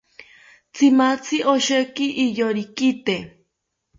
Tzimatzi osheki iyorikite